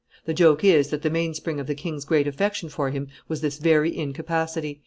The joke is, that the mainspring of the king's great affection for him was this very incapacity.